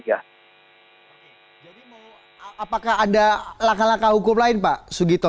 apakah ada laka laka hukum lain pak sugito